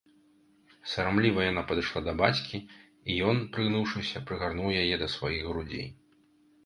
Сарамліва яна падышла да бацькі, і ён, прыгнуўшыся, прыгарнуў яе да сваіх грудзей.